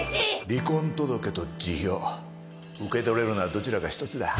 離婚届と辞表受け取れるならどちらか１つだ。